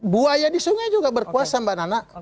buaya di sungai juga berkuasa mbak nana